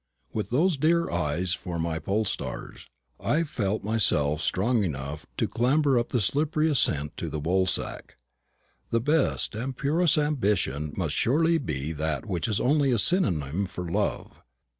With those dear eyes for my pole stars, I felt myself strong enough to clamber up the slippery ascent to the woolsack. The best and purest ambition must surely be that which is only a synonym for love.